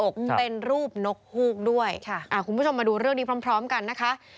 คุณผู้ชมมาดูเรื่องนี้พร้อมกันนะคะ